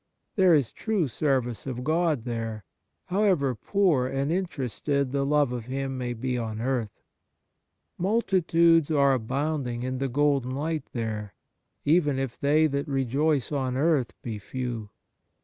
There is true service of God there, however poor and interested the love of Him may be on earth. Multitudes are abounding in the golden light there, even if they that rejoice on earth be few.